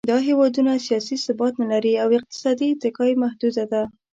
دا هېوادونه سیاسي ثبات نهلري او اقتصادي اتکا یې محدوده ده.